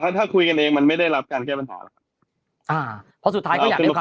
คือถ้าคุยกันเองมันไม่ได้รับการแก้ปัญหาหรอกครับ